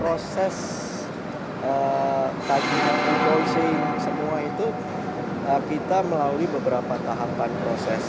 proses kajian closing semua itu kita melalui beberapa tahapan proses